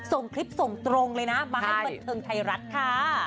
ส่งคลิปส่งตรงเลยนะมาให้บันเทิงไทยรัฐค่ะ